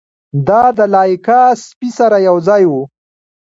دا د لایکا سپي سره یوځای و.